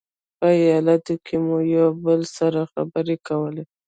په ایټالوي کې مو یو له بل سره خبرې کولې.